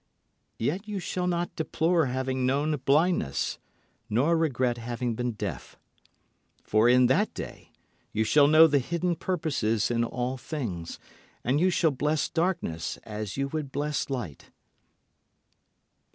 Yet you shall not deplore having known blindness, nor regret having been deaf. For in that day you shall know the hidden purposes in all things, And you shall bless darkness as you would bless light.